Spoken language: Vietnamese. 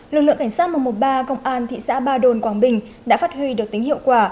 lực lượng cảnh sát mùa một ba công an thị xã ba đồn quảng bình đã phát huy được tính hiệu quả